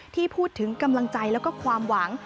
ที่พูดถึงกำลังใจแล้วก็ความหวัง